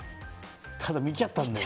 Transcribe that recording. ただ、見ちゃったんだよ。